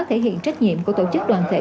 thể hiện trách nhiệm của tổ chức đoàn thể